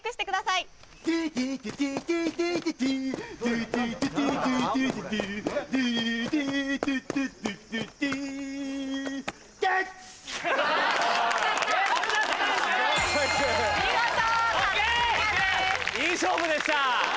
いい勝負でした。